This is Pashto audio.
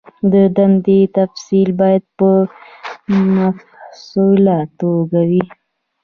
د دندې تفصیل باید په مفصله توګه وي.